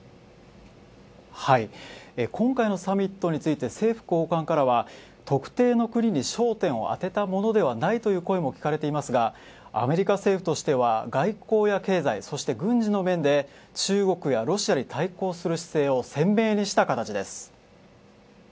今回のサミットについて政府高官からは特定の国に焦点を当てたものではないという声も聞かれていますが、アメリカ政府としては外交や経済そして軍事の面で中国やロシアに対抗する姿勢を鮮明にした形です。